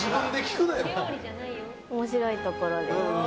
面白いところです。